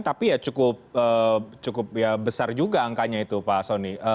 tapi ya cukup besar juga angkanya itu pak soni